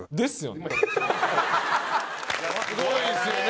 すごいですよね！